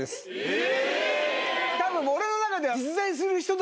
え！